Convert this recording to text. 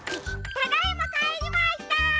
ただいまかえりました！